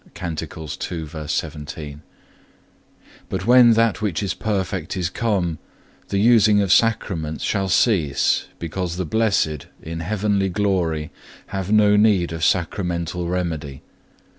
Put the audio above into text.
(1) But when that which is perfect is come, the using of Sacraments shall cease, because the Blessed in heavenly glory have no need of Sacramental remedy.